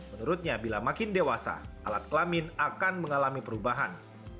menurutnya bila makin dewasa alat kelamin akan mengalami perubahan